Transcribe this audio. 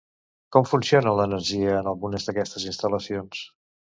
Com funciona l'energia en algunes d'aquestes instal·lacions?